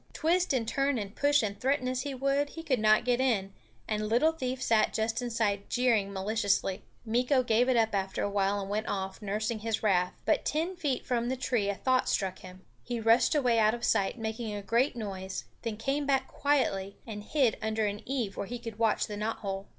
Twist and turn and push and threaten as he would, he could not get in; and Little Thief sat just inside jeering maliciously. Meeko gave it up after a while and went off, nursing his wrath. But ten feet from the tree a thought struck him. He rushed away out of sight, making a great noise, then came back quietly and hid under an eave where he could watch the knot hole.